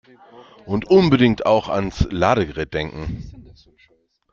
Und unbedingt auch ans Ladegerät denken!